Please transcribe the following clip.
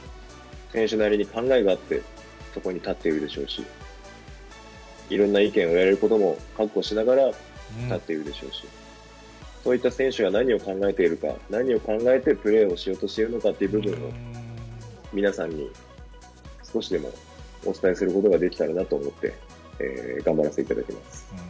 選手なりに考えがあって、そこに立っているでしょうし、いろんな意見を言われることも覚悟しながら立っているでしょうし、そういった選手が何を考えているか、何を考えてプレーをしようとしているのかっていう部分を、皆さんに、少しでもお伝えすることができたらなと思って、頑張らせていただきます。